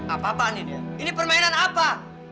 apa apaan ini dia ini permainan apa